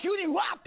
って